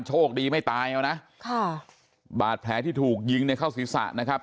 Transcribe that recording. โชคดีไม่ตายเอานะค่ะบาดแผลที่ถูกยิงเนี่ยเข้าศีรษะนะครับ